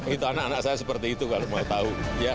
itu anak anak saya seperti itu kalau mau tahu